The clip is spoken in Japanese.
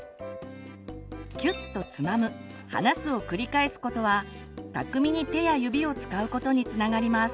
キュッとつまむ離すを繰り返すことは巧みに手や指を使うことにつながります。